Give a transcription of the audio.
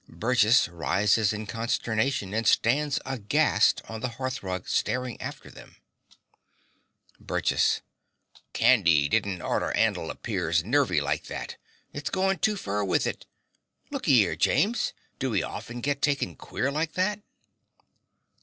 Burgess rises in consternation, and stands aghast on the hearth rug, staring after them.) BURGESS. Candy didn't oughter 'andle a peer's nevvy like that. It's goin' too fur with it. Lookee 'ere, James: do 'e often git taken queer like that?